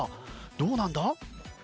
どうなんだ？